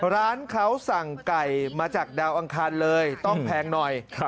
ร้านเขาสั่งไก่มาจากดาวอังคารเลยต้องแพงหน่อย